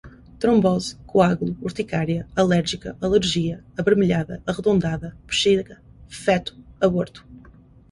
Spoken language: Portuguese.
trombose, coágulo, urticaria, alérgica, alergia, avermelhada, arredondada, bexiga, feto, aborto